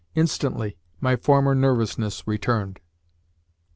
Instantly, my former nervousness returned.